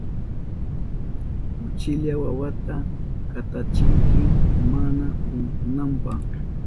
Uchilla wawata katachinki mana unkunanpa.